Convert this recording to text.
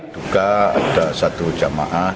duka ada satu jamaah